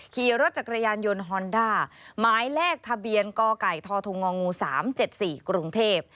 ขี่รถจักรยานยนต์ฮอนด้าหมายเลขทะเบียนกไก่ทธง๓๗๔กรุงเทพ